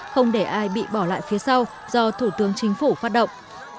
không để ai bị bỏ lại phía sau do thủ tướng chính phủ phát động